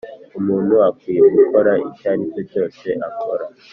Umuntu akwiye gukora icyaricyo cyose akora,